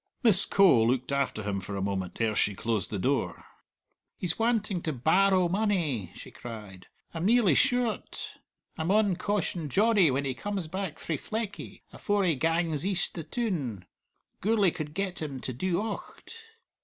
Miss Coe looked after him for a moment ere she closed the door. "He's wanting to barrow money," she cried; "I'm nearly sure o't! I maun caution Johnny when he comes back frae Fleckie, afore he gangs east the toon. Gourlay could get him to do ocht!